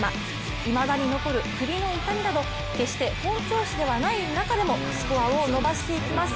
いまだに残る首の痛みなど、決して本調子ではない中でもスコアを伸ばしていきます。